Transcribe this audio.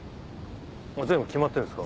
全部決まってるんですか？